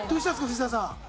藤澤さん。